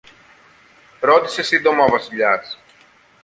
ρώτησε σύντομα ο Βασιλιάς.